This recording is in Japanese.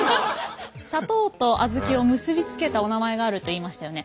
砂糖と小豆を結びつけたおなまえがあると言いましたよね。